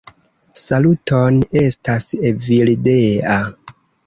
"Saluton, estas Evildea.